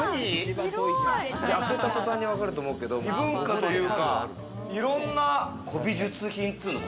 開けた途端に分かると思うけれど、異文化というか、いろんな古美術品というの？